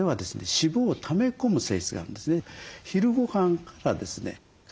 脂肪をため込む性質があるんですね。